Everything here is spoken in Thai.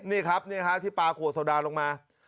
นี่ครับที่ปรากลวดสวดลามลงมา